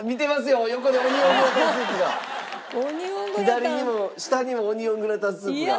左にも下にもオニオングラタンスープが。